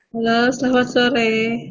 halo selamat sore